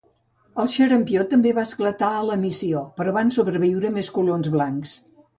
El xarampió també va esclatar a la Missió, però van sobreviure més colons blancs.